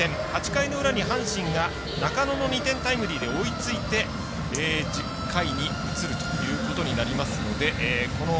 ８回の裏の阪神が中野の２点タイムリーで追いついて、１０回に移るということになりますのでこのＰａｙＰａｙ